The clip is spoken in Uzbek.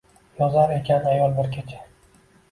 Yozar ekan ayol bir kecha